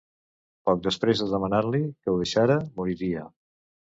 Poc després de demanar-li que ho deixara, moriria.